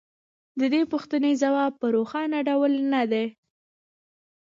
د دې پوښتنې ځواب په روښانه ډول نه دی